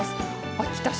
秋田市